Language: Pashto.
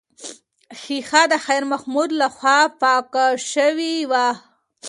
ښیښه د خیر محمد لخوا پاکه شوې وه.